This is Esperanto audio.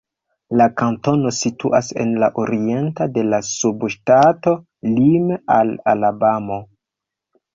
La kantono situas en la oriento de la subŝtato, lime al Alabamo.